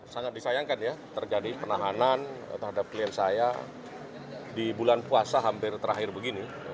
sangat disayangkan ya terjadi penahanan terhadap klien saya di bulan puasa hampir terakhir begini